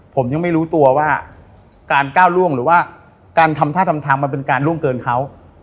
ผมยังไม่รู้ตัวว่าการก้าวล่วงหรือว่าการทำท่าทำทางมันเป็นการล่วงเกินเขา